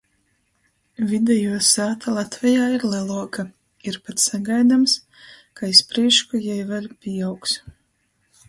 Videjuo sāta Latvejā ir leluoka, ir pat sagaidams, ka iz prīšku jei vēļ pīaugs.